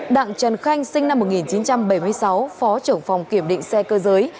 đặng trần khanh sinh năm một nghìn chín trăm bảy mươi sáu phó trưởng phòng kiểm định xe cơ giới